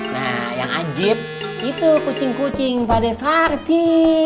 nah yang ajib itu kucing kucing pada farti